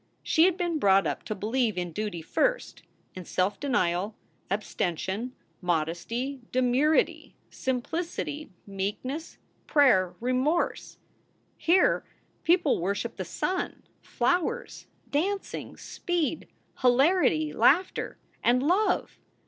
She had been brought up to believe in duty first in self denial, abstention, modesty, demurity, simplicity, meekness, prayer, remorse. Here people wor shiped the sun, flowers, dancing, speed, hilarity, laughter, and love.